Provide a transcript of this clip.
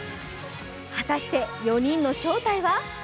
果たして４人の正体は？